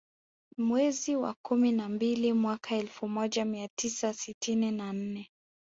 Mwezi wa kumi na mbili mwaka Elfu moja mia tisa sitini na nne